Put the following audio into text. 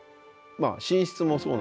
寝室もそうなんですね。